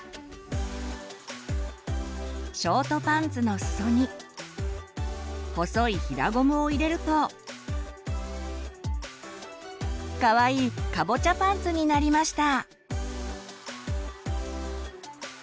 ショートパンツのすそに細い平ゴムを入れるとかわいいカボチャパンツになりました！